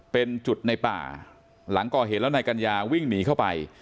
เป็นจุดในป่าหลังก่อเหตุแล้วนายกัญญาวิ่งหนีเข้าไป